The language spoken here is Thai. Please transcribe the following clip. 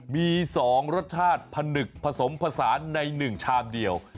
มีสองรสชาติผนึกผสมผสานในหนึ่งชามเดียว